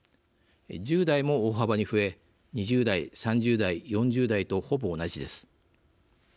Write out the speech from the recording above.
１０代も大幅に増え２０代、３０代、４０代とほぼ同じです。